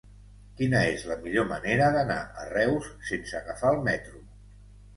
Quina és la millor manera d'anar a Reus sense agafar el metro?